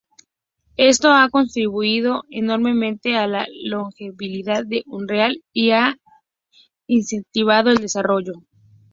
Esto ha contribuido enormemente a la longevidad de Unreal y ha incentivado el desarrollo.